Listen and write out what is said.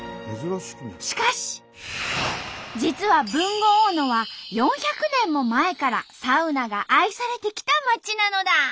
しかし実は豊後大野は４００年も前からサウナが愛されてきた町なのだ！